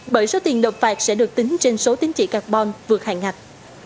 bởi số tiền nộp phạt sẽ được tính trên số tính trị carbon vượt hạng ngạch